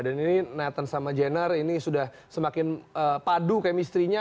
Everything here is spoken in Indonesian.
dan ini nathan sama jenner ini sudah semakin padu kemistrinya